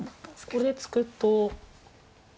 これ突くと。